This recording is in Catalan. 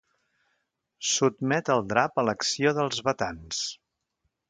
Sotmet el drap a l'acció dels batans.